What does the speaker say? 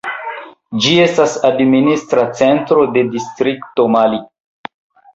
Ĝi estas administra centro de distrikto Mali.